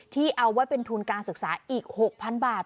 เอาไว้เป็นทุนการศึกษาอีก๖๐๐๐บาท